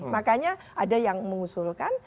makanya ada yang mengusulkan